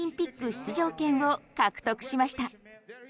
出場権を獲得しました。